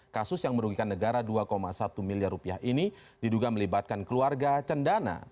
kasus yang merugikan negara dua satu miliar rupiah ini diduga melibatkan keluarga cendana